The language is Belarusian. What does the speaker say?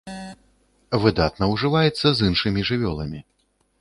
Выдатна ўжываецца з іншымі жывёламі.